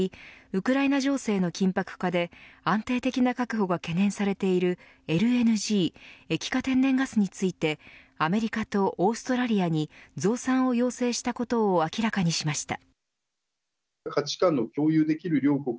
ウクライナ情勢の緊迫化で安定的な確保が懸念されているＬＮＧ、液化天然ガスについてアメリカとオーストラリアに増産を要請したことを明らかにしました。